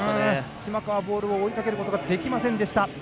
島川、ボールを追いかけることができませんでした。